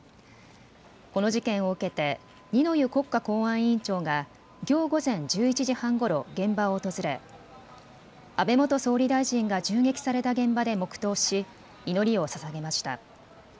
この事件を受けて二之湯国家公安委員長がきょう午前１１時半ごろ現場を訪れ安倍元総理大臣が銃撃された現場で黙とうし祈りをささげました。